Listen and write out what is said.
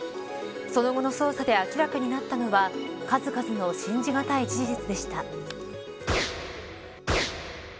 その後の捜査で明らかになったのは数々の信じがたい事実でした。